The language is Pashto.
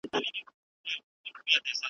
وړي لمبه پر سر چي شپه روښانه کړي .